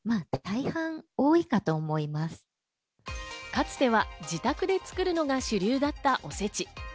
かつては自宅で作るのが主流だった、おせち。